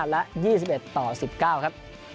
๒๑๑๕และ๒๑๑๙